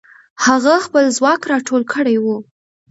هغه خپل ځواک راټول کړی وو.